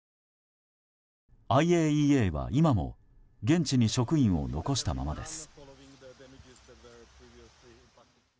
ＩＡＥＡは今も現地に職員を残したままです。